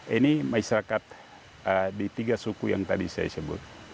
ini masyarakat di tiga suku yang tadi saya sebut